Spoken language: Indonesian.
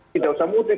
tidak usah mudik